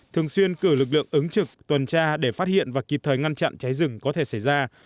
thường xuyên cử lực lượng ứng trực tuần tra để phát hiện và kịp thời ngăn chặn cháy rừng có thể xảy ra